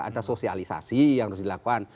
ada sosialisasi yang harus dilakukan